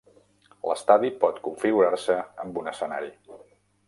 L'estadi por configurar-se amb un escenari.